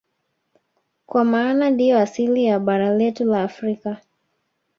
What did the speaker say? Kwa maana ndiyo asili ya bara letu la Afrika